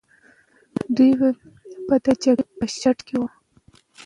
دوی به د جګړې په شدت کې وو.